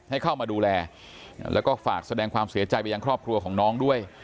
ให้เข้ามาดูแลแล้วก็ฝากแสดงความเสียใจไปยังครอบครัวของน้องด้วย